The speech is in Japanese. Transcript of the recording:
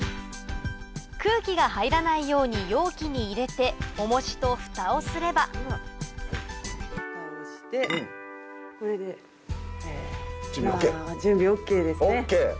空気が入らないように容器に入れて重しとフタをすればフタをしてこれで。準備ＯＫ？準備ＯＫですね。